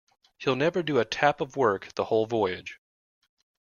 He'll never do a tap of work the whole Voyage.